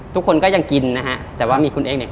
ทุกคนก็ยังกินนะฮะแต่ว่ามีคุณเอ็กเนี่ย